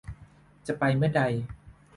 จะไปเมื่อใด